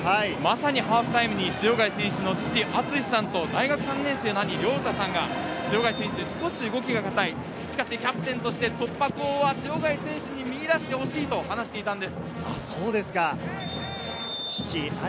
まさにハーフタイムに塩貝選手の父・あつしさんと、大学３年生の兄・りょうたさんが塩貝選手に少し動きが硬い、しかしキャプテンとして突破口は塩貝選手に見出してほしいと話していたんです。